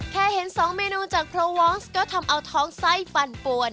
แค่เห็นสองเมนูผลุเองก็ทำเอาท้องใส้ปั่นป่วน